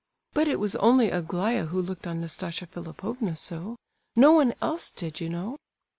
But it was only Aglaya who looked on Nastasia Philipovna so; no one else did, you know."